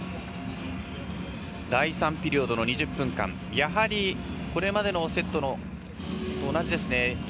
第３ピリオドの２０分間やはりこれまでのセットと同じですね。